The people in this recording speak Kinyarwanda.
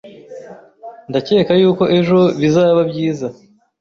Ndakeka yuko ejo bizaba byiza